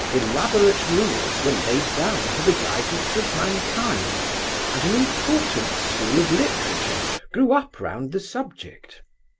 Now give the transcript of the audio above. Elaborate rules were laid down for the guidance of mankind, and an important school of literature grew up round the subject.